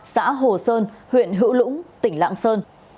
xã hồ sơn huyện hữu lũng tỉnh lạng sơn